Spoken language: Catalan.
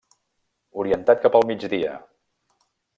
Orientat cap al migdia.